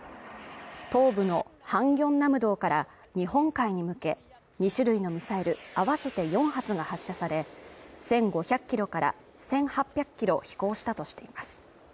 東部のハンギョンナムドから日本海に向け、２種類のミサイル合わせて４発が発射され、１５００ｋｍから１８００ｋｍ飛行したとしています。